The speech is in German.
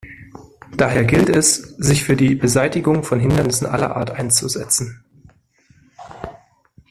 Daher gilt es, sich für die Beseitigung von Hindernissen aller Art einzusetzen.